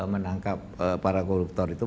menangkap para koruptor itu